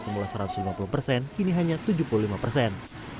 semula satu ratus lima puluh persen kini hanya tujuh puluh lima persen